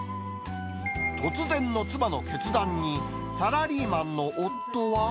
突然の妻の決断に、サラリーマンの夫は。